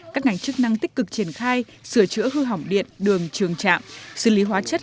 các ngành chức năng tích cực triển khai sửa chữa hư hỏng điện đường trường trạm xử lý hóa chất